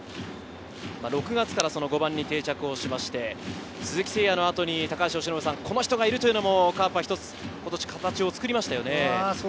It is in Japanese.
６月から５番に定着をしまして、鈴木誠也の後にこの人がいるというのもカープは１つ今年形を作りましたね。